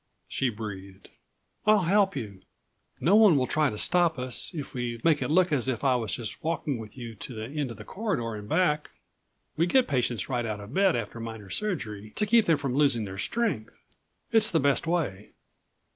she breathed. "I'll help you. No one will try to stop us, if we make it look as if I was just walking with you to the end of the corridor and back. We get patients right out of bed after minor surgery, to keep them from losing their strength. It's the best way."